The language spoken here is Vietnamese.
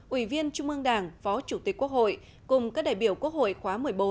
ủy viên trung ương đảng phó chủ tịch quốc hội cùng các đại biểu quốc hội khóa một mươi bốn